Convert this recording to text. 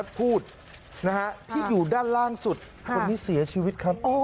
อินทัศน์พูดนะฮะที่อยู่ด้านล่างสุดคนนี้เสียชีวิตครับ